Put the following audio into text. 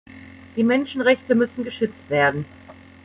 Die Menschenrechte müssen geschützt werden.